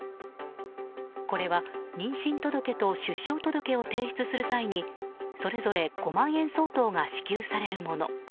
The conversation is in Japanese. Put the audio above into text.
これは、妊娠届と出生届を提出する際にそれぞれ５万円相当が支給されるもの。